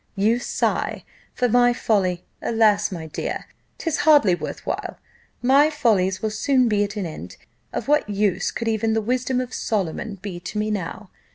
You sigh for my folly. Alas! my dear, 'tis hardly worth while my follies will soon be at an end. Of what use could even the wisdom of Solomon be to me now?